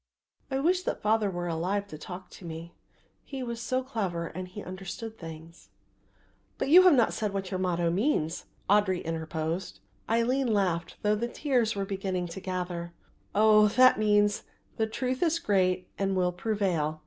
I wish that father were alive to talk to me. He was so clever and he understood things." "But you have not said what your motto means," Audry interposed. Aline laughed through the tears that were beginning to gather, "Oh, that means, The truth is great and will prevail.